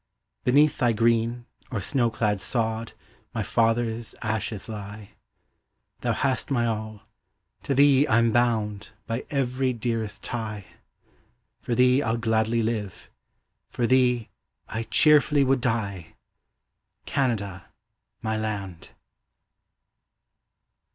Beneath thy green or snow clad sod My fathers' ashes lie; Thou hast my all, to thee I'm bound By every dearest tie; For thee I'll gladly live, for thee I cheerfully would die, Canada, my land.